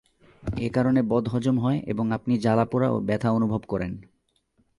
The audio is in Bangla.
একারণে বদহজম হয় এবং আপনি জ্বালাপোড়া ও ব্যথা অনুভব করেন।